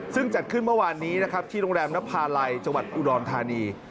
ซึ่งจัดขึ้นเมื่อวานนี้นะครับที่โรงแรมนภาลัยจังหวัดอุดรธานี